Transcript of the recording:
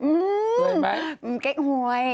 อื้อแก๊กหวย